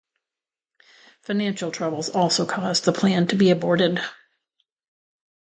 Financial troubles also caused the plan to be aborted.